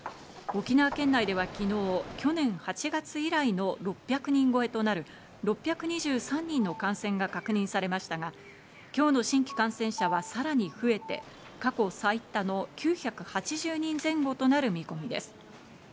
沖縄県内では昨日、去年８月以来の６００人超えとなる６２３人の感染が確認されましたが、今日の新規感染者はさらに増えて、過去最多の９８０人前後となる見込みです。